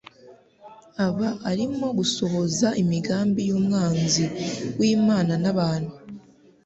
aba arimo gusohoza imigambi y’umwanzi w’Imana n’abantu.